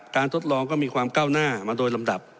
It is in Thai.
ทดลองก็มีความก้าวหน้ามาโดยลำดับ